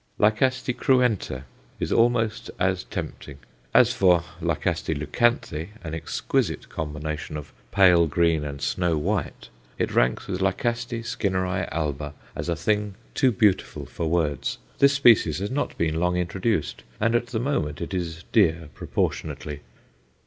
L. cruenta is almost as tempting. As for L. leucanthe, an exquisite combination of pale green and snow white, it ranks with L. Skinneri alba as a thing too beautiful for words. This species has not been long introduced, and at the moment it is dear proportionately.